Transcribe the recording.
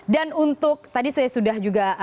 dan untuk tadi saya sudah juga soal bahwa